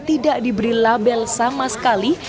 tidak diberi label sama sekali